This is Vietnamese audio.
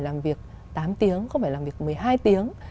làm việc tám tiếng không phải làm việc một mươi hai tiếng